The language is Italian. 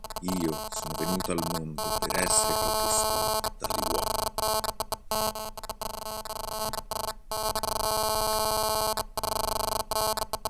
Io sono venuto al mondo per essere calpestato dagli uomini!